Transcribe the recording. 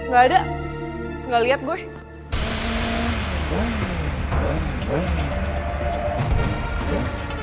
gak ada gak liat gue